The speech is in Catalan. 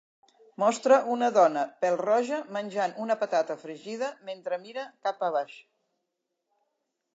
Mostra una dona pèl-roja menjant una patata fregida mentre mira cap a baix.